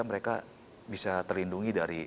mereka bisa terlindungi dari